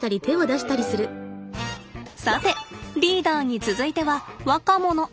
さてリーダーに続いては若者。